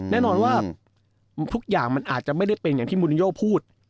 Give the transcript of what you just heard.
แน่นอนว่าทุกอย่างมันอาจจะไม่ได้เป็นอย่างที่มูลินโยพูด